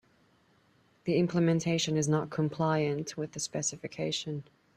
The implementation is not compliant with the specification.